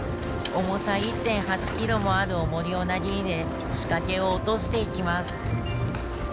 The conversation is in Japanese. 重さ１．８キロもあるオモリを投げ入れ仕掛けを落としていきます